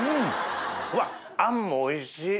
うわっ餡もおいしい。